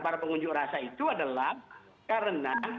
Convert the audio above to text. para pengunjuk rasa itu adalah karena